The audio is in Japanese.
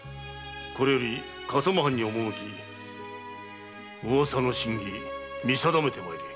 これより笠間藩に赴き噂の真偽見定めてまいれ。